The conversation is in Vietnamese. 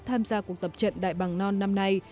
tham gia cuộc tập trận đại bằng non năm nay